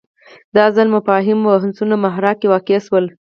دا ځل مفاهیم بحثونو محراق کې واقع شول